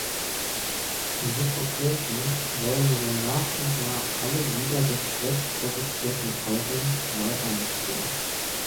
Suffocation wollen so nach und nach alle Lieder des schlecht produzierten Albums neu einspielen.